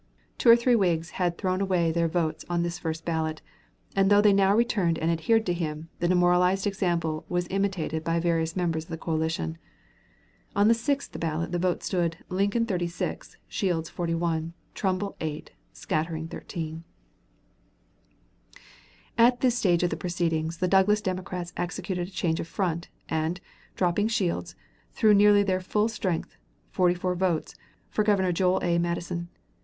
Two or three Whigs had thrown away their votes on this first ballot, and though they now returned and adhered to him, the demoralizing example was imitated by various members of the coalition. On the sixth ballot the vote stood: Lincoln, 36; Shields, 41; Trumbull, 8; scattering, 13. At this stage of the proceedings the Douglas Democrats executed a change of front, and, dropping Shields, threw nearly their full strength, 44 votes, for Governor Joel A. Matteson.